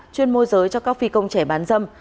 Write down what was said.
chuyên môi giới cho các phi công trẻ bán dâm